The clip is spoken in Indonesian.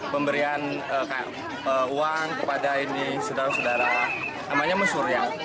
pemberian uang kepada saudara saudara namanya mesuryak